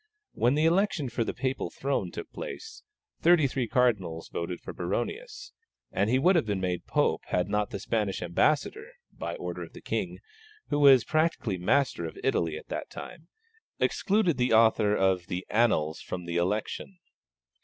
When the election for the Papal throne took place, thirty three cardinals voted for Baronius, and he would have been made Pope had not the Spanish ambassador, by order of the King, who was practically master of Italy at that time, excluded the author of the Annals from the election.